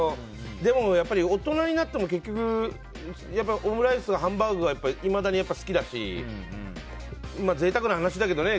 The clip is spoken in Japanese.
でもやっぱり大人になっても結局オムライスとかハンバーグがいまだに好きだし贅沢な話だけどね